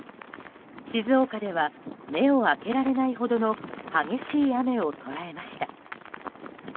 静岡では目を開けられないほどの激しい雨を捉えました。